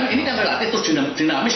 ini kan relatif dinamis